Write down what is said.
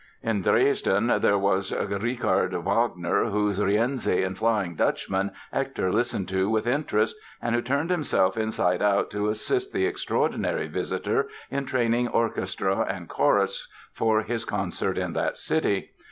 In Dresden there was Richard Wagner, whose "Rienzi" and "Flying Dutchman" Hector listened to with interest and who turned himself inside out to assist the extraordinary visitor in training orchestra and chorus for his concert in that city.